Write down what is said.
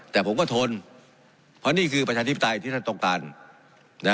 แต่ผมก็ทนเพราะนี่คือประชาธิปไตยที่ท่านต้องการนะ